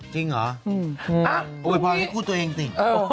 จริงหรออวยพรเละทุกคู่ตัวเองสิ